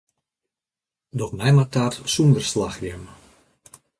Doch my mar taart sûnder slachrjemme.